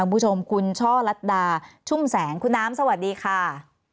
คุณผู้ชมคุณช่อลัดดาชุ่มแสงคุณน้ำสวัสดีค่ะ